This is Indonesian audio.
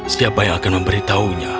siapa yang akan memberitahunya